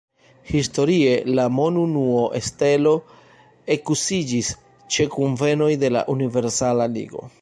Historie, la monunuo stelo ekuziĝis ĉe kunvenoj de la Universala Ligo.